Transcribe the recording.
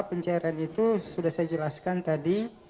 pencairan itu sudah saya jelaskan tadi